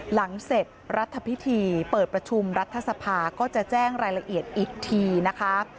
หลังเสร็จรัฐพิธีเปิดประชุมรัฐสภาก็จะแจ้งรายละเอียดอีกทีนะคะ